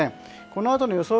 このあとの予想